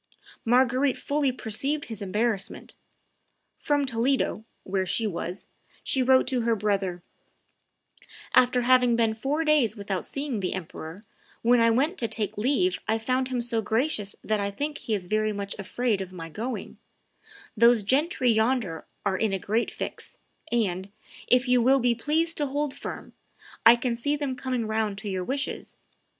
Marguerite fully perceived his embarrassment. From Toledo, where she was, she wrote to her brother, "After having been four days without seeing the emperor, when I went to take leave I found him so gracious that I think he is very much afraid of my going; those gentry yonder are in a great fix, and, if you will be pleased to hold firm, I can see them coming round to your wishes.